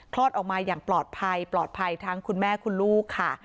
คลอดออกมาอย่างปลอดภัยปลอดภัยทั้งคุณแม่คุณลูกค่ะ